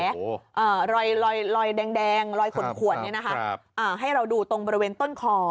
รอยแดงรอยขนขวดนี่นะคะให้เราดูตรงบริเวณต้นคอ